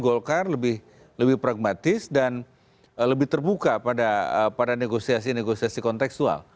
golkar lebih pragmatis dan lebih terbuka pada negosiasi negosiasi konteksual